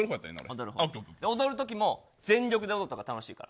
踊るときも全力で踊った方が楽しいから。